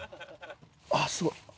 ああすごい！